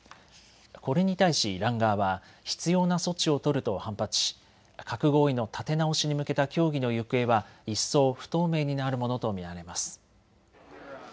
これに対しイラン側は必要な措置を取ると反発し核合意の立て直しに向けた協議の行方は一層不透明になるものと見られます。